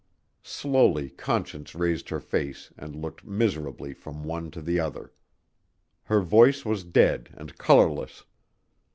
Slowly Conscience raised her face and looked miserably from one to the other. Her voice was dead and colorless.